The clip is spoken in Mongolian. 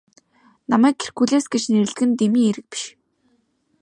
Намайг Геркулес гэж нэрлэдэг нь дэмий хэрэг биш.